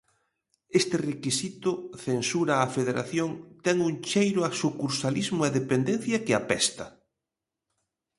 Este requisito, censura a Federación ten un cheiro a sucursalismo e dependencia que apesta.